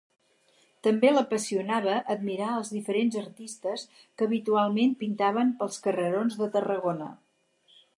També l'apassionava admirar els diferents artistes que habitualment pintaven pels carrerons de Tarragona.